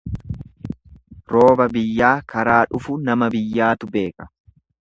Rooba biyyaa karaa dhufu nama biyyaatu beeka.